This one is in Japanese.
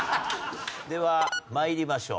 では参りましょう。